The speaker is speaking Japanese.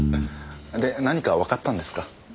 で何かわかったんですか？